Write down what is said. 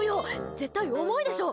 絶対、重いでしょ！